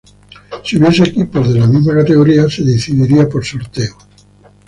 Si hubiese equipos de la misma categoría, se decidiría por sorteo.